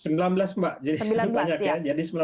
sembilan belas mbak jadi sembilan belas instrumen itu